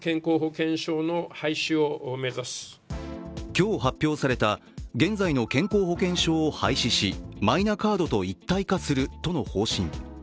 今日発表された現在の健康保険証を廃止しマイナカードと一体化するとの方針。